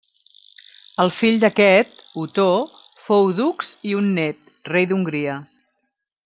El fill d'aquest, Otó, fou dux i un nét, rei d'Hongria.